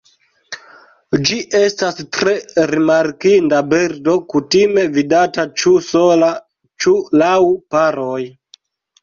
Ĝi estas tre rimarkinda birdo kutime vidata ĉu sola ĉu laŭ paroj.